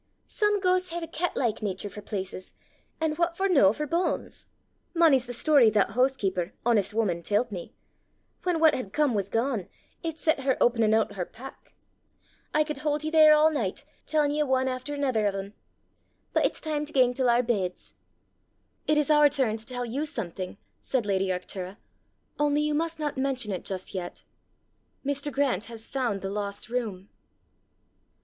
Some ghaists hae a cat like natur for places, an' what for no for banes? Mony's the story that that hoosekeeper, honest wuman, tellt me: whan what had come was gane, it set her openin' oot her pack! I could haud ye here a' nicht tellin' ye ane efter anither o' them. But it's time to gang to oor beds." "It is our turn to tell you something," said lady Arctura; " only you must not mention it just yet: Mr. Grant has found the lost room!"